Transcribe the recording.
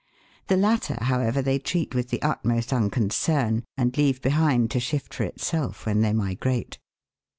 The latter, however, they treat with the utmost unconcern, and leave behind to shift for itself when they migrate.